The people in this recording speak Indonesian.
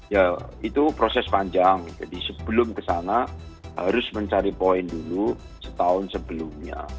ya itu proses panjang jadi sebelum kesana harus mencari poin dulu setahun sebelumnya